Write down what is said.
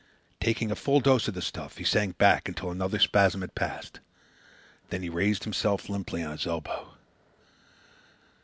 Taking a full dose of the stuff, he sank back until another spasm had passed. Then he raised himself limply on his elbow.